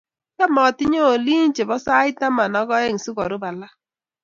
Cham atinye olii che bo siat taman ak oeng si kurub alak.